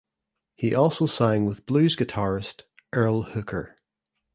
He also sang with blues guitarist Earl Hooker.